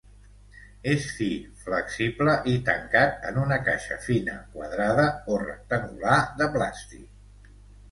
És fi, flexible i tancat en una caixa fina quadrada o rectangular de plàstic.